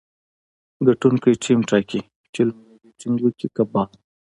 ګټونکی ټیم ټاکي، چي لومړی بېټينګ وکي که بال.